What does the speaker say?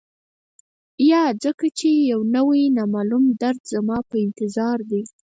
یا ځکه چي یو نوی، نامعلوم درد زما په انتظار دی